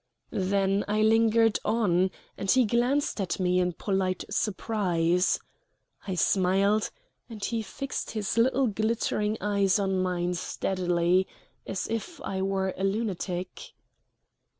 Then I lingered on, and he glanced at me in polite surprise. I smiled; and he fixed his little glittering eyes on mine steadily, as if I were a lunatic.